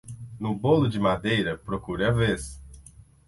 No bolo de madeira, procure a vez.